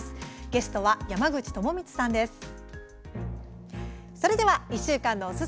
ゲストは、山口智充さんです。